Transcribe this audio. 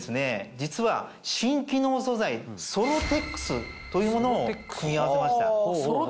実は新機能素材ソロテックスというものを組み合わせました。